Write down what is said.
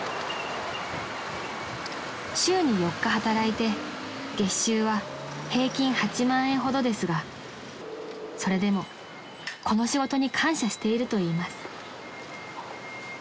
［週に４日働いて月収は平均８万円ほどですがそれでもこの仕事に感謝しているといいます］